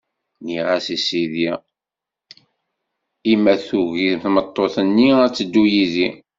Nniɣ-as i sidi: I ma tugi tmeṭṭut-nni ad d-teddu yid-i?